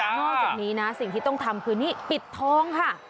นอกจากนี้นะสิ่งที่ต้องทำคือนี่ปิดทองค่ะ